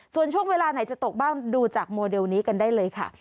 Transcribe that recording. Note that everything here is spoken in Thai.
ส่วนช่วงเวลาไหนจะตกบ้างดูจากโมเดลนี้กันได้เลยค่ะ